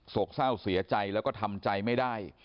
กเศร้าเสียใจแล้วก็ทำใจไม่ได้